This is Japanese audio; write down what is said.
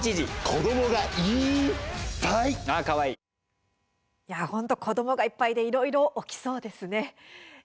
子どもがいっぱいでいろいろ起きそうですね。